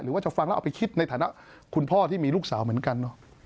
ว่าจะฟังแล้วเอาไปคิดในฐานะคุณพ่อที่มีลูกสาวเหมือนกันเนอะ